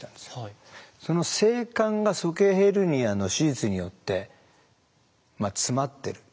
その精管が鼠径ヘルニアの手術によって詰まってる。